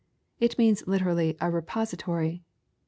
It means literally a " repository."